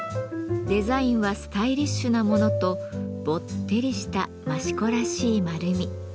デザインはスタイリッシュなものとぼってりした益子らしい丸み。